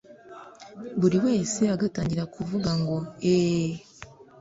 buri wese agatangira kuvuga ngo eeee